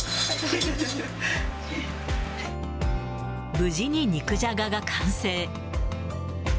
無事に肉じゃがが完成。